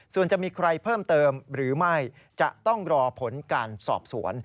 ส่วนจะมีใครเพิ่มเติมหรือไม่จะต้องรอผลการสอบสวน